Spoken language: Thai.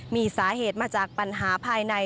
มีสาเหตุมาจากปัญหาภายใน